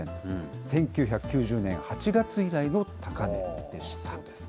１９９０年８月以来の高値でした。